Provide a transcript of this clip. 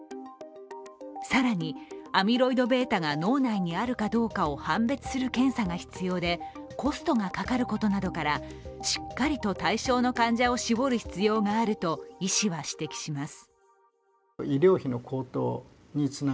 更にアミロイドβが脳内にあるかどうかを判別する検査が必要でコストがかかることなどから、しっかりと対象の患者を絞る必要があると医師は指摘します。